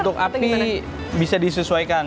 untuk api bisa disesuaikan